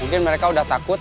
mungkin mereka udah takut